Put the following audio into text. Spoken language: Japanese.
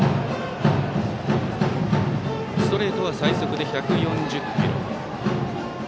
ストレートは最速で１４０キロ。